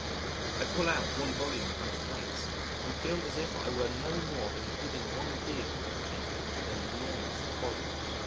I pull out one volume from its place and feel as if I were no more than giving one dig with a pick in an enormous quarry.